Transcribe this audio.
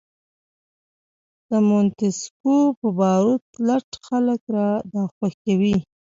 د مونتیسکیو په باور لټ خلک دا خوښوي.